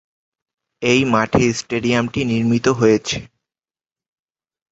এই মাঠে স্টেডিয়ামটি নির্মিত হয়েছে।